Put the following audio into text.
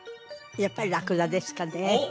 やっぱりラクダですかね